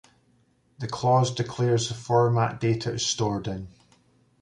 The clause declares the format data is stored in.